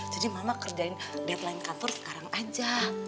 mama kerjain deadline kantor sekarang aja